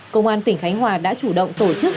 công an tỉnh khánh hòa đã chủ động tổ chức